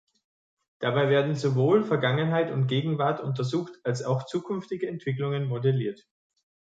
Dabei werden sowohl Vergangenheit und Gegenwart untersucht als auch zukünftige Entwicklungen modelliert.